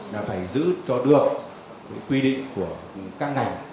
là phải giữ cho được cái quy định của các ngành